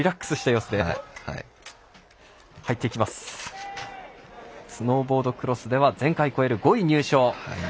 スノーボードクロスでは前回超える５位入賞。